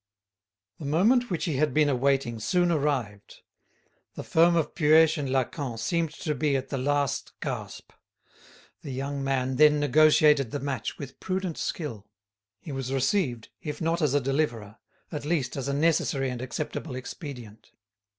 The moment which he had been awaiting soon arrived. The firm of Puech and Lacamp seemed to be at the last gasp. The young man then negotiated the match with prudent skill. He was received, if not as a deliverer, at least as a necessary and acceptable expedient.